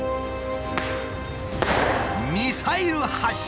ミサイル発射！